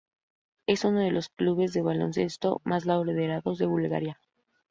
Es uno de los clubes de baloncesto más laureados de Bulgaria.